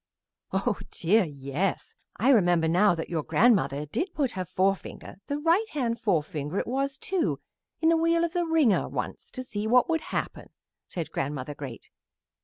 "Oh dear, yes; I remember now that your grandmother did put her forefinger, the right hand forefinger it was, too, in the wheel of the wringer once to see what would happen," said Grandmother Great.